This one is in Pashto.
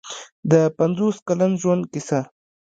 د پنځوس کلن ژوند کیسه.